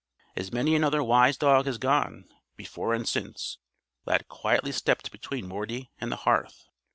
As many another wise dog has gone, before and since, Lad quietly stepped between Morty and the hearth.